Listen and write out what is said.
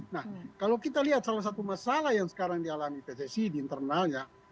nah kalau kita lihat salah satu masalah yang sekarang dialami pssi di internalnya